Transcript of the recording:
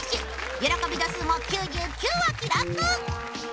喜び度数も９９を記録